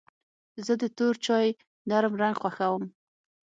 زه د تور چای نرم رنګ خوښوم.